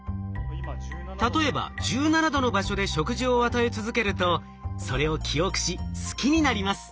例えば１７℃の場所で食事を与え続けるとそれを記憶し好きになります。